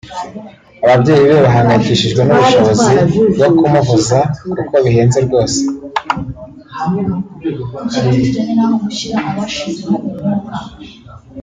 ababyeyi be bahangayikishijwe n’ubushobozi bwo kumuvuza kuko bihenze rwose